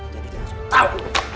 jadi langsung tau